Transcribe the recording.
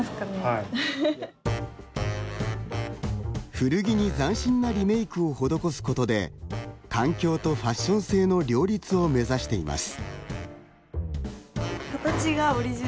古着に斬新なリメイクを施すことで環境とファッション性の両立を目指しています。